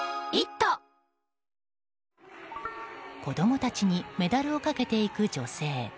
子供たちにメダルをかけていく女性。